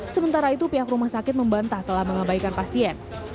sementara itu pihak rumah sakit membantah telah mengabaikan pasien